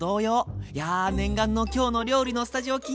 いや念願の「きょうの料理」のスタジオ緊張するな。